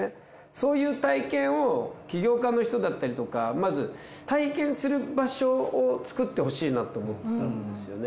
そういう体験を起業家の人だったりとかまず体験する場所を作ってほしいなと思ったんですよね。